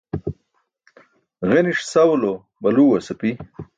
Ġeniṣ sawulo baluuẏas api.